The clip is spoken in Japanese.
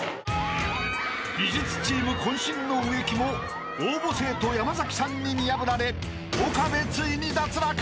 ［美術チーム渾身の植木も応募生徒山崎さんに見破られ岡部ついに脱落！］